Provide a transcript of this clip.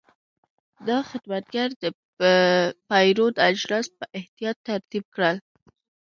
دا خدمتګر د پیرود اجناس په احتیاط ترتیب کړل.